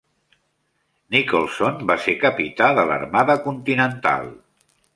Nicholson va ser capità de l'Armada Continental.